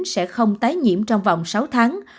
sẽ không tái nhiễm trong vòng sáu tháng